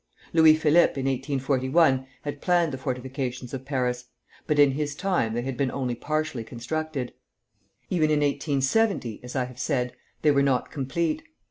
Louis Philippe, in 1841, had planned the fortifications of Paris, but in his time they had been only partially constructed. Even in 1870, as I have said, they were not complete.